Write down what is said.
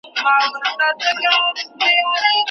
د ملا مسكين پر كور باندي ناورين سو